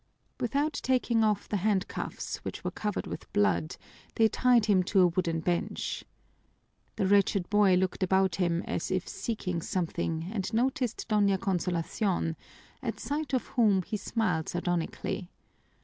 Without taking off the handcuffs, which were covered with blood, they tied him to a wooden bench. The wretched boy looked about him as if seeking something and noticed Doña Consolacion, at sight of whom he smiled sardonically.